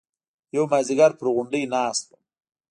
يو مازديگر پر غونډۍ ناست وم.